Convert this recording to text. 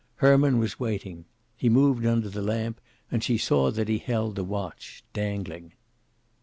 Herman was waiting. He moved under the lamp, and she saw that he held the watch, dangling.